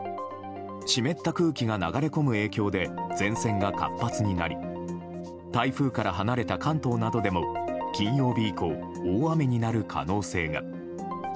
湿った空気が流れ込む影響で前線が活発になり台風から離れた関東などでも金曜日以降、大雨になる可能性が。